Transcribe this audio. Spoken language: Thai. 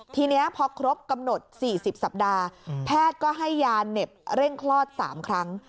ทีนี้พอครบกำหนด๔๐สัปดาห์แพทย์ก็ให้ยาเหน็บเร่งคลอด๓ครั้ง